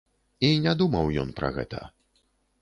І не думаў ён пра гэта.